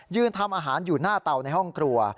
ทำอาหารอยู่หน้าเตาในห้องครัว